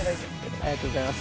ありがとうございます。